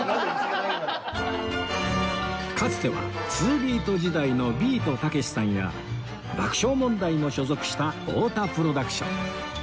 かつてはツービート時代のビートたけしさんや爆笑問題も所属した太田プロダクション